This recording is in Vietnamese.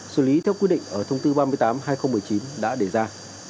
xử lý theo quy định ở thông tư ba mươi tám hai nghìn một mươi chín đã đề ra